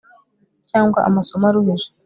cyangwa amasomo aruhije